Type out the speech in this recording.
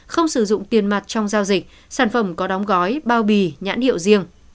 không sử dụng tiền mặt trong giao dịch sản phẩm có đóng gói bao bì nhãn hiệu riêng